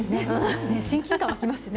親近感沸きますよね。